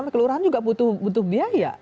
kelurahan juga butuh biaya